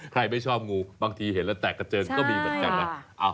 ใครไม่ชอบงูบางทีเห็นแล้วแตกกระเจิญก็มีกันแหละ